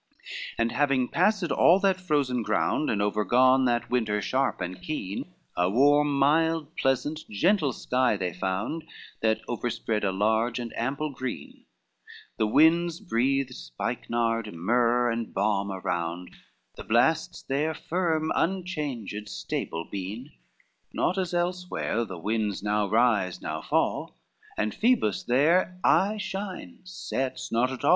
LIII But having passed all that frozen ground, And overgone that winter sharp and keen, A warm, mild, pleasant, gentle sky they found, That overspread a large and ample green, The winds breathed spikenard, myrrh, and balm around, The blasts were firm, unchanged, stable been, Not as elsewhere the winds now rise now fall, And Phoebus there aye shines, sets not at all.